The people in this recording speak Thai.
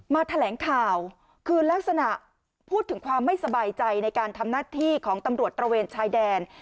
แถลงข่าวคือลักษณะพูดถึงความไม่สบายใจในการทำหน้าที่ของตำรวจตระเวนชายแดน